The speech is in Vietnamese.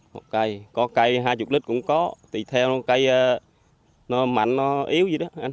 một cây có cây hai mươi lít một cây có cây hai mươi lít cũng có tùy theo cây nó mạnh nó yếu gì đó